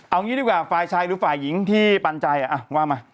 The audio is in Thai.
เอางี้ดีกว่าฝ่ายชายหรือฝ่ายหญิงที่ปันใจว่ามา